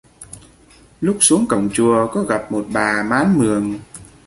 lúc xuống cổng chùa có gặp một bà mán mường